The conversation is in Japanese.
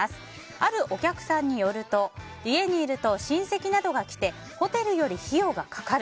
あるお客さんによると家にいると親戚などが来てホテルより費用がかかる。